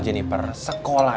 nanti kita ke sana